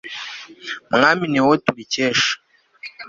mwami ni wowe tubikesha